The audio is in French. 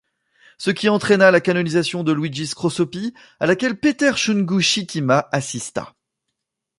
Ce qui entraîna la canonisation de Luigi Scrosoppi, à laquelle Peter Chungu Shitima assista.